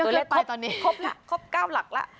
เกือบไปตอนนี้เกือบก้าวหลักละ